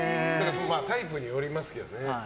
タイプによりますけどね。